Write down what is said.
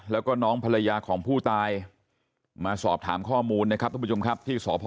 แล้วก็น้องภรรยาของผู้ไม่สอบถามข้อมูลนะครับที่สพพ